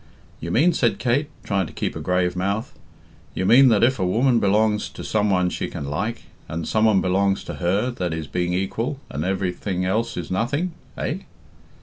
"You mean," said Kate, trying to keep a grave mouth, "you mean that if a woman belongs to some one she can like, and some one belongs to her, that is being equal, and everything else is nothing? Eh?"